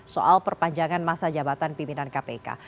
soal perpanjangan masa jabatan pimpinan kpk